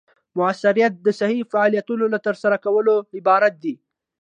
مؤثریت د صحیح فعالیتونو له ترسره کولو عبارت دی.